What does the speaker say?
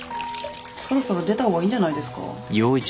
そろそろ出た方がいいんじゃないですか？